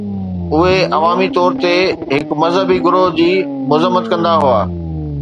اهي عوامي طور تي هڪ مذهبي گروهه جي مذمت ڪندا هئا.